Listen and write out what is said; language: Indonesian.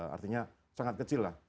artinya sangat kecil lah